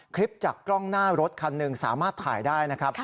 คลิปจากกล้องหน้ารถคันหนึ่งสามารถถ่ายได้นะครับ